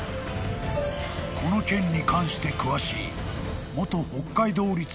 ［この件に関して詳しい］